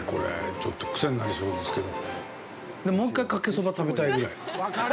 ちょっと癖になりそうですけど。